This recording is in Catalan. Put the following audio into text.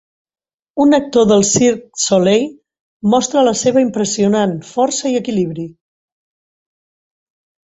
Un actor del Cirque de Solei mostra la seva impressionant força i equilibri.